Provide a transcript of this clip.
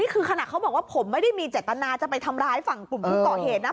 คือขนาดเขาบอกว่าผมไม่ได้มีเจตนาจะไปทำร้ายฝั่งกลุ่มผู้ก่อเหตุนะ